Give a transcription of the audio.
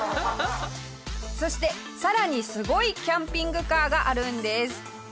そしてさらにすごいキャンピングカーがあるんです。